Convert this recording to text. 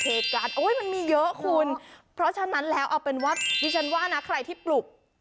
เหตุการณ์โอ้ยมันมีเยอะคุณเพราะฉะนั้นแล้วเอาเป็นว่าดิฉันว่านะใครที่ปลุก